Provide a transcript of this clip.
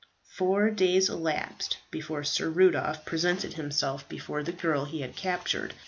Four days elapsed before Sir Rudolph presented himself before the girl he had captured.